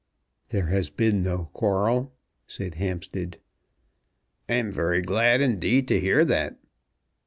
"There has been no quarrel," said Hampstead. "I am very glad indeed to hear that."